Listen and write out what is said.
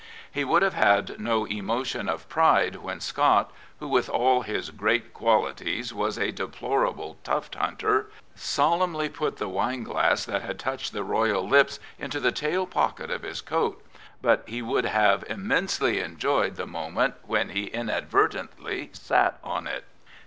He would have had no emotion of pride when Scott, who, with all his great qualities, was a deplorable tuft hunter, solemnly put the wine glass that had touched the Royal lips into the tail pocket of his coat, but he would have immensely enjoyed the moment when he inadvertently sat on it.